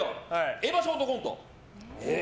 エヴァショートコント。